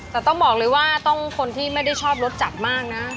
แต่ต้องบอกเลยว่าต้องคนที่ไม่ได้ชอบรสจัดมากนะ